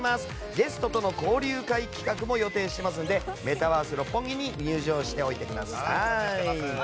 ゲストとの交流会企画も予定していますのでメタバース六本木に入場しておいてください。